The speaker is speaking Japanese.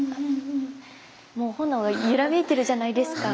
もう炎が揺らめいてるじゃないですか。